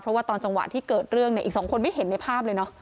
เพราะว่าตอนจังหวะที่เกิดเรื่องเนี่ยอีกสองคนไม่เห็นในภาพเลยเนอะ